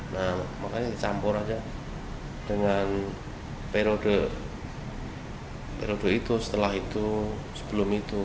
nah makanya dicampur aja dengan periode periode itu setelah itu sebelum itu